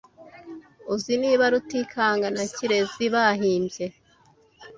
Uzi niba Rutikanga na Kirezi bahimbye?